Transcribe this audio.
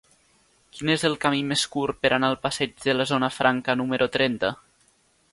Quin és el camí més curt per anar al passeig de la Zona Franca número trenta?